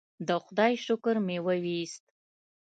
د خدای شکر مې وویست.